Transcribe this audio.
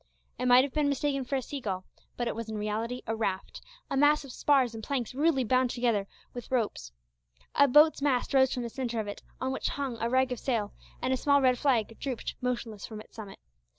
It might have been mistaken for a seagull, but it was in reality a raft a mass of spars and planks rudely bound together with ropes. A boat's mast rose from the centre of it, on which hung a rag of sail, and a small red flag drooped motionless from its summit.